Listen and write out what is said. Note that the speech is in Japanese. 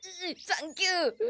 サンキュー。